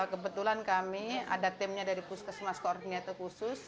kebetulan kami ada timnya dari puskesmas koordinator khusus